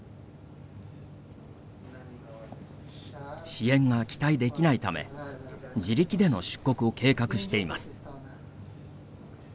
支援が期待できないため自力での出国を計画しています。